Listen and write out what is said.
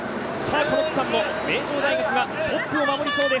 この区間も名城大学がトップを守りそうです。